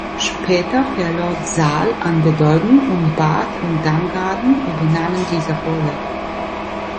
Später verlor Saal an Bedeutung und Barth und Damgarten übernahmen diese Rolle.